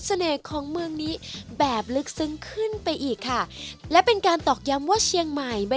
ของเมืองนี้แบบลึกซึ้งขึ้นไปอีกค่ะและเป็นการตอกย้ำว่าเชียงใหม่ใบ